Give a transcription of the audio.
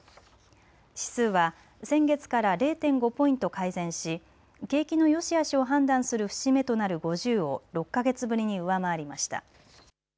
指数は先月から０．５ポイント改善し景気のよしあしを判断する節目となる５０を６か月ぶりに上回りました。